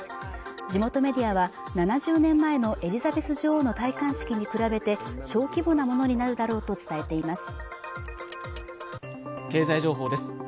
地元メディアは７０年前のエリザベス女王の戴冠式に比べて小規模なものになるだろうと伝えています